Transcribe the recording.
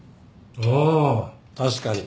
あ確かに。